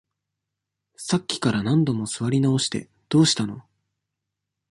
さっきから何度も座り直して、どうしたの？